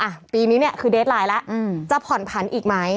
อ่ะปีนี้เนี่ยคือเดสไลน์แล้วอืมจะผ่อนผันอีกไหม